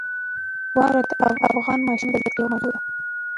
واوره د افغان ماشومانو د زده کړې یوه موضوع ده.